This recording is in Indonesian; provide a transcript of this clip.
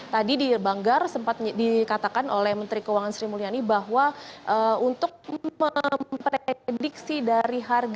tadi di banggar sempat dikatakan oleh menteri keuangan sri mulyani bahwa untuk memprediksi dari harga